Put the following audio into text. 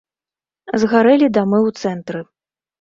Згарэлі дамы ў цэнтры.